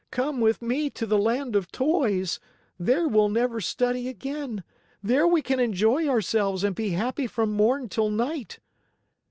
Come with me to the Land of Toys. There we'll never study again. There we can enjoy ourselves and be happy from morn till night.